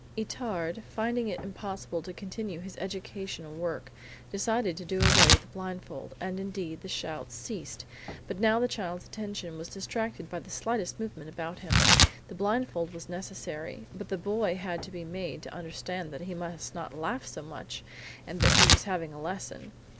Itard, finding it impossible to continue his educational work, decided to do away with the blindfold, and, indeed, the shouts ceased, but now the child's attention was distracted by the slightest movement about him. The blindfold was necessary, but the boy had to be made to understand that he must not laugh so much and that he was having a lesson.